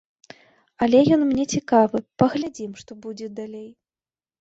Але ён мне цікавы, паглядзім, што будзе далей.